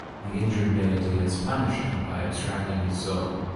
The injured deity has punished him by abstracting his soul.